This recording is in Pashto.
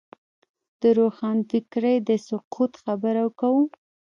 د روښانفکرۍ د سقوط خبره کوو.